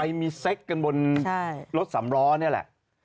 มีเซ็กกันบนรถสำล้อนี่แหละ